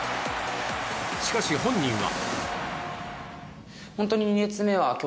しかし、本人は。